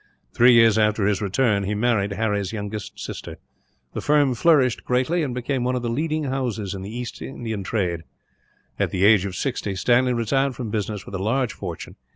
Three years after his return, he married Harry's youngest sister. The firm flourished greatly, and became one of the leading houses in the Eastern trade. At the age of sixty, Stanley retired from business with a large fortune.